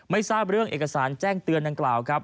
ไม่ทราบเรื่องเอกสารแจ้งเตือนดังกล่าวครับ